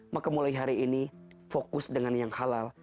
maka mulai hari ini fokus dengan yang halal